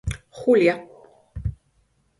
Julia.